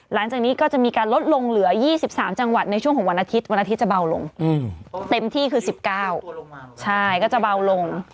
หลังจากนี้ก็จะมีการลดลงเหลือ๒๓จังหวัดในช่วงของวันอาทิตย์วันอาทิตย์จะเบาลงเต็มที่คือ๑๙ใช่ก็จะเบาลง